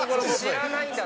知らないんだな。